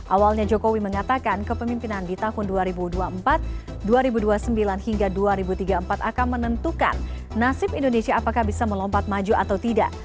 awalnya jokowi mengatakan kepemimpinan di tahun dua ribu dua puluh empat dua ribu dua puluh sembilan hingga dua ribu tiga puluh empat akan menentukan nasib indonesia apakah bisa melompat maju atau tidak